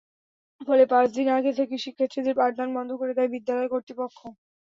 ফলে পাঁচ দিন আগে থেকেই শিক্ষার্থীদের পাঠদান বন্ধ করে দেয় বিদ্যালয় কর্তৃপক্ষ।